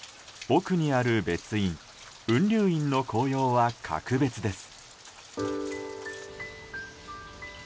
奥にある別院雲龍院の紅葉は格別です。